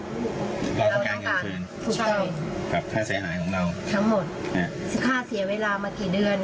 เราต้องการเงินใช่ค่าเสียหายของเราทั้งหมดอ่าค่าเสียเวลามากี่เดือน